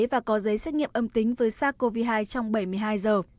và có giấy xét nghiệm âm tính với sars cov hai trong bảy mươi hai giờ